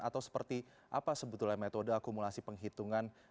atau seperti apa sebetulnya metode akumulasi penghitungan